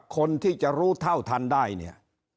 คนที่จะรู้เท่าทันได้เนี่ย